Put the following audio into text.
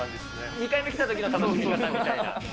２回目来たときの楽しみ方みたいな。